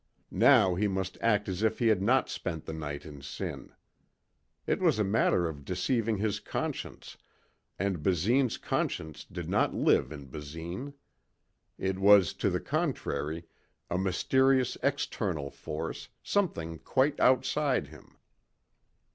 Now he must act as if he had not spent the night in sin. It was a matter of deceiving his conscience, and Basine's conscience did not live in Basine. It was, to the contrary, a mysterious external force, something quite outside him.